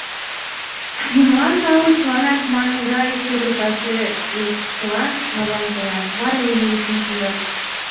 Юмылан тау, чыланат манме гай первый каче лекшылан марлан каят, вара иже ушым шындат.